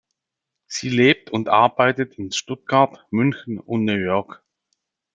Sie lebt und arbeitet in Stuttgart, München und New York.